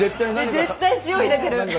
絶対塩入れてる。